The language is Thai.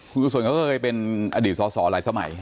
คุณทุกส่วนเขาก็เคยเป็นอดีตส่อหลายสมัย